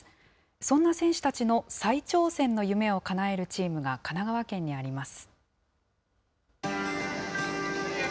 そんな選手たちの再挑戦の夢をかなえるチームが神奈川県にあります。